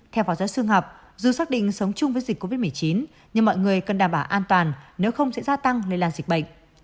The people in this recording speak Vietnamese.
theo phó giáo sư ngọc dù xác định sống chung với dịch covid một mươi chín nhưng mọi người cần đảm bảo an toàn nếu không sẽ gia tăng lây lan dịch bệnh